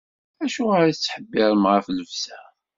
Acuɣer i tettḥebbiṛem ɣef llebsa?